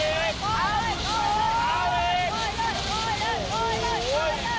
ได้ไหมได้แล้ว